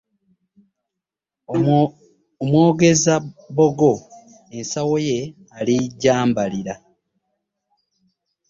Omwogeza bbogo ensawo ye alijambalira .